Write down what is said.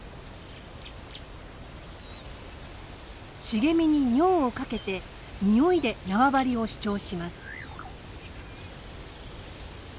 茂みに尿をかけてニオイで縄張りを主張します。